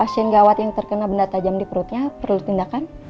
pasien gawat yang terkena benda tajam di perutnya perlu tindakan